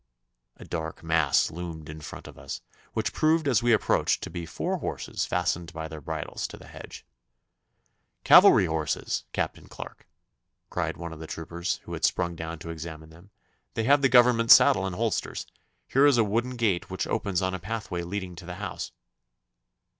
A dark mass loomed in front of us, which proved as we approached to be four horses fastened by their bridles to the hedge. 'Cavalry horses, Captain Clarke!' cried one of the troopers who had sprung down to examine them. 'They have the Government saddle and holsters. Here is a wooden gate which opens on a pathway leading to the house.